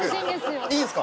いいんすか？